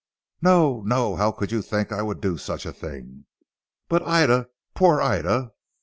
"No! No! how can you think I would do such a thing? But Ida, poor Ida!"